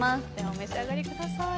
お召し上がりください。